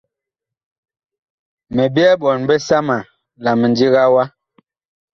Mi byɛɛ ɓɔɔn bisama la mindiga wa.